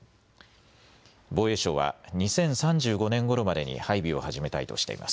防衛省は２０３５年ごろまでに配備を始めたいとしています。